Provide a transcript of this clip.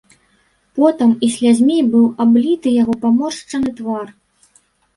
Потам і слязьмі быў абліты яго паморшчаны твар.